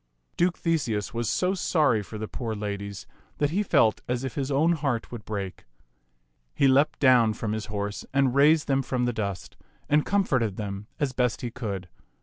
Duke Theseus was so sorry for the poor ladies that he felt as if his own heart would break. He leaped down from his horse and raised them from the dust, and com forted them as best he could.